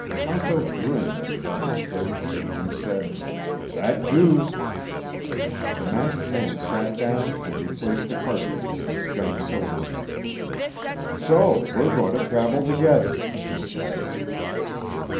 Tonto grinned at the demonstration and said, "That do." The masked man sat down and replaced the cartridges in his gun's cylinder. "So we're going to travel together," he said.